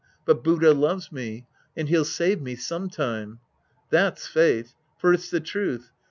But Buddha loves me. And he'll save me, sometime." That's faith. For it's the truth.